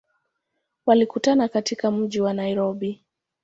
Walikutana katika mji wa Nairobi.